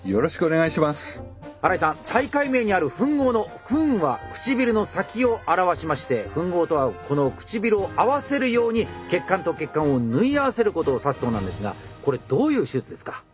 大会名にある「吻合」の「吻」は唇の先を表しまして「吻合」とはこの唇を合わせるように血管と血管を縫い合わせることを指すそうなんですがこれどういう手術ですか？